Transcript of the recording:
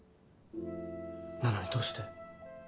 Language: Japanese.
なのにどうして？